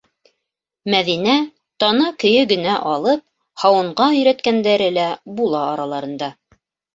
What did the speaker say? Мәҙинә тана көйө генә алып һауынға өйрәткәндәре лә була араларында.